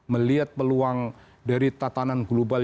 melihat peluang dari tatanan global